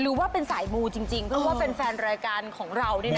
หรือว่าเป็นสายมูจริงเพราะว่าแฟนรายการของเรา